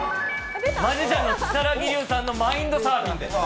マジシャン・如月琉さんのマインドサーフィンです。